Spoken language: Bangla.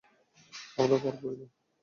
আমরা পারবই না।